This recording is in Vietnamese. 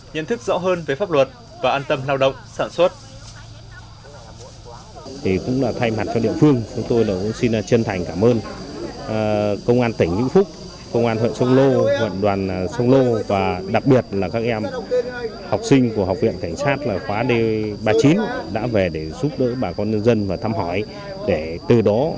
nhận thức rõ hơn về pháp luật và an tâm lao động sản xuất